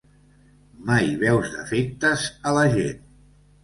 Mai veus defectes a la gent.